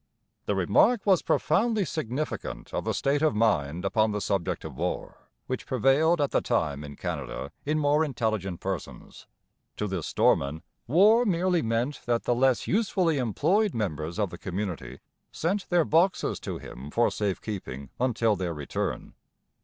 The remark was profoundly significant of the state of mind upon the subject of war which prevailed at the time in Canada in more intelligent persons. To this storeman war merely meant that the less usefully employed members of the community sent their boxes to him for safe keeping until their return.